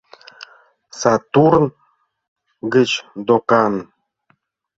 — Сатурн гыч докан.